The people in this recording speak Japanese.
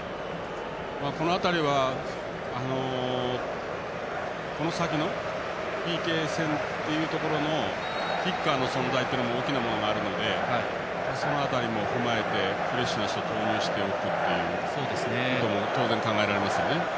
この辺りは、この先のＰＫ戦というところのキッカーの存在というのが大きなものがあるのでその辺りも踏まえてフレッシュな人を投入することも当然考えられますね。